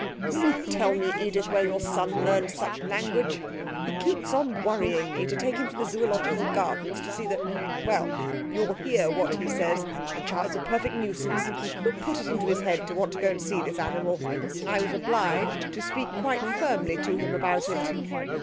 'Will you tell me, Edith, where your son learns such language? He keeps on worrying me to take him to the Zoological Gardens to see the well you'll hear what he says. The child's a perfect nuisance. Who put it into his head to want to go and see this animal? I was obliged to speak quite firmly to him about it.'